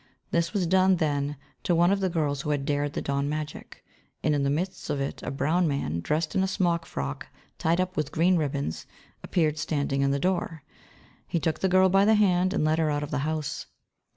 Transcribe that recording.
This was done, then, to one of the girls who had dared the dawn magic; and in the midst of it a brown man, dressed in a smock frock tied up with green ribbons, appeared, standing in the door. He took the girl by the hand and led her out of the house.